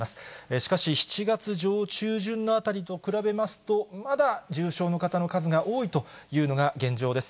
しかし、７月上中旬のあたりと比べますと、まだ重症の方の数が多いというのが現状です。